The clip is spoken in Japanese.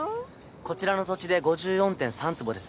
こちらの土地で５４．３坪です。